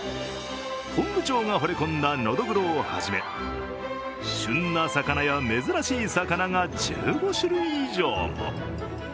本部長がほれ込んだのどぐろをはじめ、旬な魚や珍しい魚が１５種類以上も。